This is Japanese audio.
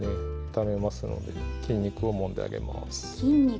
痛みますので筋肉をもんであげます。